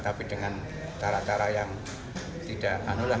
tapi dengan cara cara yang tidak anulan